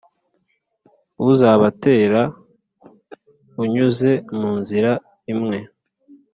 Uzabatera unyuze mu nzira imwe,